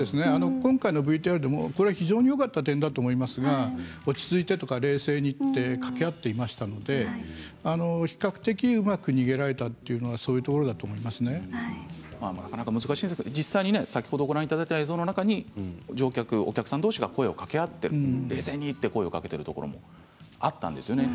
今回のＶＴＲでもこれは非常によかった点だと思いますが落ち着いて！とか冷静に！とか声をかけ合っていましたので比較的うまく逃げられたっていうのはなかなか難しいですけれど先ほどご覧いただいた映像の中にお客さんどうしが声をかけ合って冷静に！と言っているところもあったんですよね。